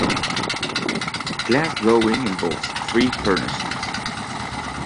Glassblowing involves three furnaces.